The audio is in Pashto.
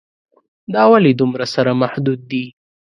دا ولې دومره سره محدود دي.